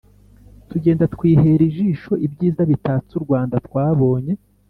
tugenda twihera ijisho ibyiza bitatse u Rwanda. Twabonye